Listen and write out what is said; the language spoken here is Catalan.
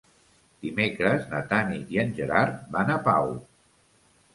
Dimecres na Tanit i en Gerard van a Pau.